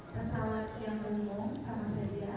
pesawat yang meniung sama saja